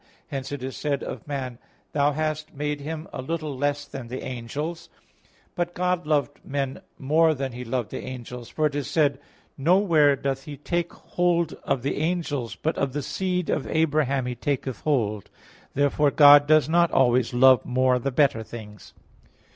Hence it is said of man: "Thou hast made him a little less than the angels" (Ps. 8:6). But God loved men more than He loved the angels, for it is said: "Nowhere doth He take hold of the angels, but of the seed of Abraham He taketh hold" (Heb. 2:16). Therefore God does not always love more the better things.